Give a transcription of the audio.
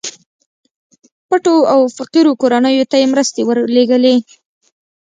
پټو او فقيرو کورنيو ته يې مرستې ورلېږلې.